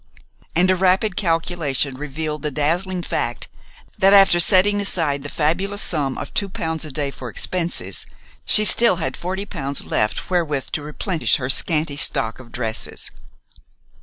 And a rapid calculation revealed the dazzling fact that after setting aside the fabulous sum of two pounds a day for expenses she still had forty pounds left wherewith to replenish her scanty stock of dresses.